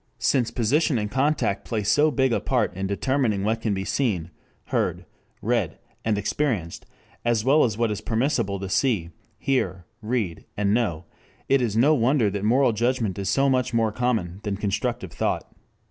Since position and contact play so big a part in determining what can be seen, heard, read, and experienced, as well as what it is permissible to see, hear, read, and know, it is no wonder that moral judgment is so much more common than constructive thought.